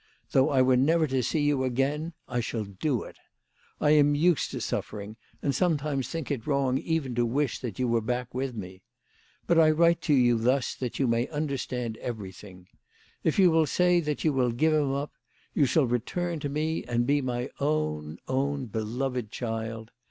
Though I were never to see you again I shall do it. I am used to suffering, and some times think it wrong even to wish that you were back with me. But I write to you thus that you may understand everything. If you will say that you will give him up, you shall return to me and be my own, own beloved child.